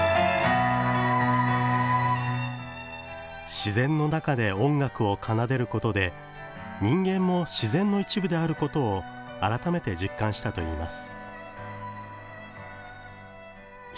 自然の中で音楽を奏でることで人間も自然の一部であることを改めて実感したといいます。